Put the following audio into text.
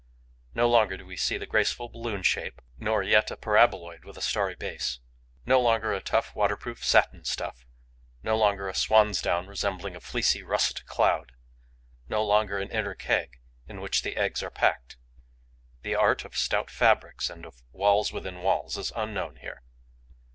No longer do we see a graceful balloon shape nor yet a paraboloid with a starry base; no longer a tough, waterproof satin stuff; no longer a swan's down resembling a fleecy, russet cloud; no longer an inner keg in which the eggs are packed. The art of stout fabrics and of walls within walls is unknown here.